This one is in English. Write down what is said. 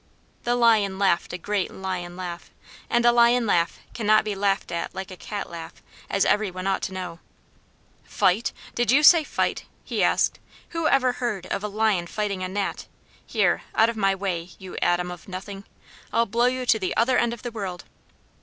The Lion laughed a great lion laugh, and a lion laugh cannot be laughed at like a cat laugh, as everyone ought to know. "Fight did you say fight?" he asked. "Who ever heard of a lion fighting a gnat? Here, out of my way, you atom of nothing! I'll blow you to the other end of the world."